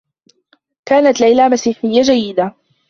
كانت ليلى مسيحيّة جيّدة.